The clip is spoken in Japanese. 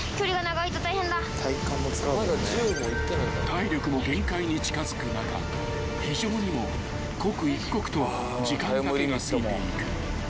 ［体力も限界に近づく中非情にも刻一刻と時間だけが過ぎていく］